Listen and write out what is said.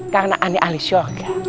karena aneh ahli syurga